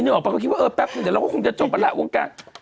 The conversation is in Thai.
นึกออกปะเขาคิดว่าแป๊บหนึ่งแต่เราก็คงจะจบมาละวงการ